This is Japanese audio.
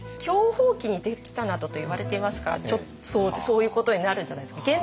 享保期に出てきたなどといわれていますからそういうことになるんじゃないですか。